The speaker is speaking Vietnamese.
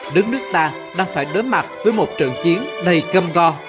đất nước ta đang phải đối mặt với một trận chiến đầy cam go